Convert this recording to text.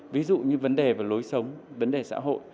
ví dụ như vấn đề về lối sống vấn đề xã hội